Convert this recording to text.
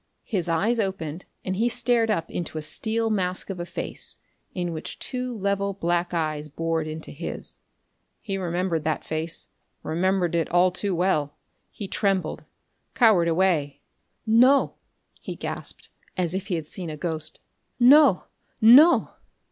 His eyes opened, and he stared up into a steel mask of a face, in which two level black eyes bored into his. He remembered that face remembered it all too well. He trembled, cowered away. "No!" he gasped, as if he had seen a ghost. "No no!"